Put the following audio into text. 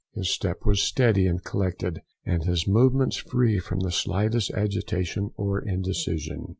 His step was steady and collected, and his movements free from the slightest agitation or indecision.